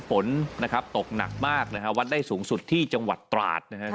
ฝนนะครับตกหนักมากนะฮะวัดได้สูงสุดที่จังหวัดตราดนะครับ